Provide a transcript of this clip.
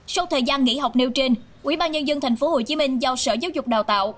sau thời gian nghỉ học nêu trên quỹ ban nhân dân tp hcm do sở giáo dục đào tạo